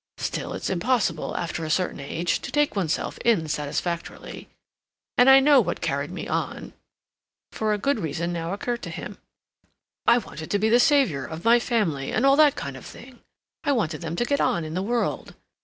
Still, it's impossible, after a certain age, to take oneself in satisfactorily. And I know what carried me on"—for a good reason now occurred to him—"I wanted to be the savior of my family and all that kind of thing. I wanted them to get on in the world.